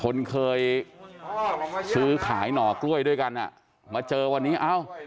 คนเคยซื้อขายหน่อกล้วยด้วยกันอ่ะมาเจอวันนี้เอ้า